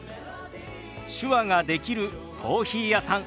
手話ができるコーヒー屋さん